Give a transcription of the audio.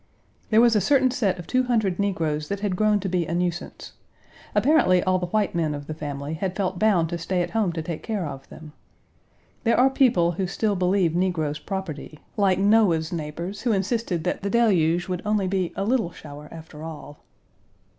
There was a certain set of two hundred negroes that had grown to be a nuisance. Apparently all the white men of the family had felt bound to stay at home to take care of them. There are people who still believe negroes property like Noah's neighbors, who insisted that the Deluge would only be a little shower after all.